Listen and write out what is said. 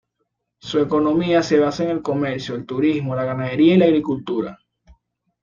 Su economía se basa en el comercio, el turismo, la ganadería y la agricultura.